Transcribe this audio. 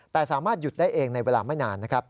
แต่สามารถหยุดได้เองในเวลาไม่นานนะครับ